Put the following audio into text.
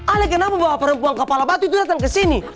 ale kenapa bawa perempuan kepala batu itu datang ke sini